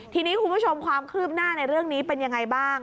ทีนี้คุณผู้ชมความคืบหน้าในเรื่องนี้เป็นยังไงบ้าง